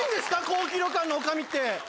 高級旅館の女将って。